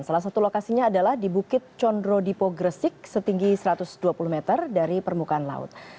salah satu lokasinya adalah di bukit condro dipo gresik setinggi satu ratus dua puluh meter dari permukaan laut